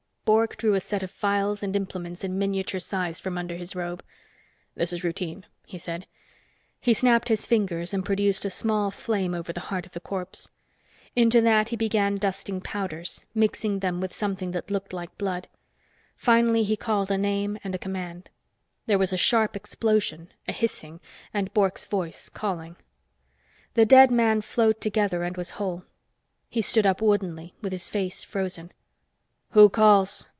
Bork drew a set of phials and implements in miniature size from under his robe. "This is routine," he said. He snapped his fingers and produced a small flame over the heart of the corpse. Into that he began dusting powders, mixing them with something that looked like blood. Finally he called a name and a command. There was a sharp explosion, a hissing, and Bork's voice calling. The dead man flowed together and was whole. He stood up woodenly, with his face frozen. "Who calls?"